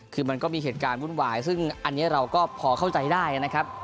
คือมันก็มีเหตุการณ์วุ่นวายซึ่งอันนี้เราก็พอเข้าใจได้นะครับ